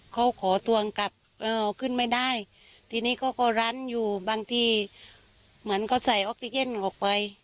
เขาขอทวงกลับขึ้นไม่ได้ทีนี้เขาก็รั้นอยู่บางทีเหมือนเขาใส่ออกซิเจนออกไป